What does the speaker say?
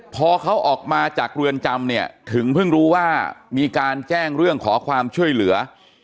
พอเขาออกมาจากเรือนจำเนี่ยถึงเพิ่งรู้ว่ามีการแจ้งเรื่องขอความช่วยเหลือ